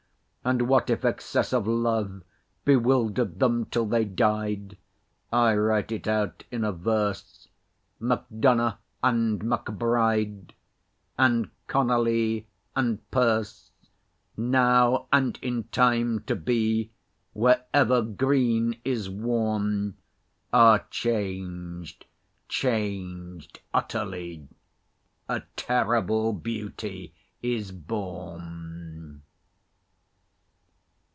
And what if excess of love Bewildered them till they died? I write it out in a verse— MacDonagh and MacBride And Connolly and Pearse Now and in time to be, Wherever green is worn, Are changed, changed utterly: A terrible beauty is born.